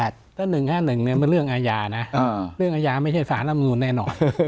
ถ้า๑๕๑มันเรื่องอาญานะเรื่องอาญาไม่ใช่สารอำนูนแน่นอน